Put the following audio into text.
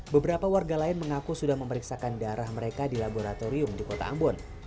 beberapa warga lain mengaku sudah memeriksakan darah mereka di laboratorium di kota ambon